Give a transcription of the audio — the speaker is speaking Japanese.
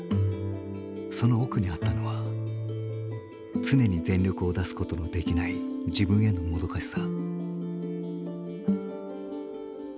その奥にあったのは常に全力を出すことのできない自分へのもどかしさ。